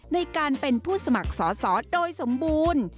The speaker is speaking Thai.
ในการเป็นผู้สมัครสอสอโดยสมบูรณ์